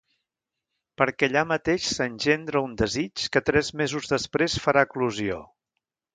Perquè allà mateix s'engendra un desig que tres mesos després farà eclosió.